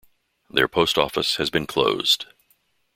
Their post office has been closed.